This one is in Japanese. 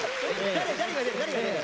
誰が出る？